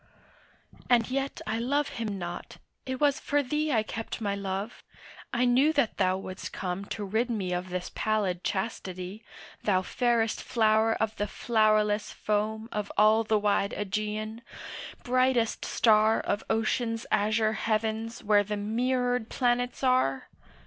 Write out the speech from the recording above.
And yet I love him not; it was for thee I kept my love; I knew that thou would'st come To rid me of this pallid chastity, Thou fairest flower of the flowerless foam Of all the wide Ægean, brightest star Of ocean's azure heavens where the mirrored planets are!